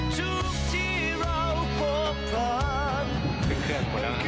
ทุกที่เราพบพัน